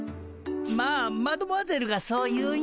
まあマドモアゼルがそう言うんやったら。